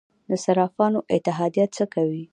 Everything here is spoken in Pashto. د صرافانو اتحادیه څه کوي؟